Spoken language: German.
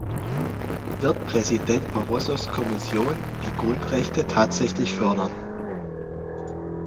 Wird Präsident Barrosos Kommission die Grundrechte tatsächlich fördern?